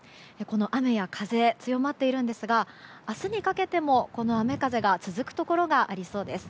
この雨や風強まっているんですが明日にかけても、この雨風が続くところがありそうです。